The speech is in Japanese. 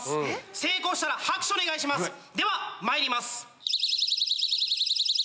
成功したら拍手お願いしますではまいります。